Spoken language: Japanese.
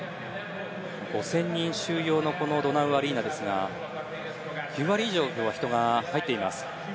５０００人収容のドナウアリーナですが９割以上、人が入っています。